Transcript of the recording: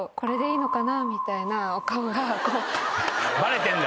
バレてんだ。